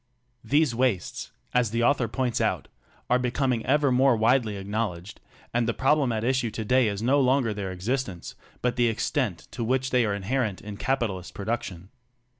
These wastes, as the author points out, are becoming ever more widely acknowledged and the problem at issue today is no longer their existence but the extent to which they are inherent in capitalist production.